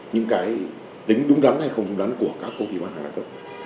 những cái tính đúng đắn hay không đúng đắn của các công ty bán hàng đa cấp